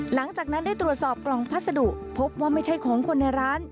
หลังจากนั้นได้ตรวจสอบกล่องพัสดุพบว่าไม่ใช่ของคนในร้าน